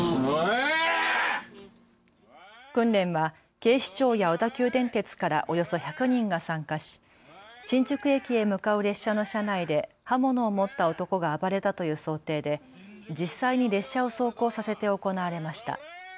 訓練は警視庁や小田急電鉄からおよそ１００人が参加し新宿駅へ向かう列車の車内で刃物を持った男が暴れたという想定で実際に列車を走行させて行われました。